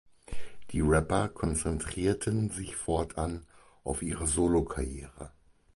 Die Rapper konzentrierten sich fortan auf ihre Solokarriere.